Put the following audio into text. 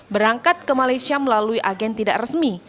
berangkat ke malaysia melalui agen tidak resmi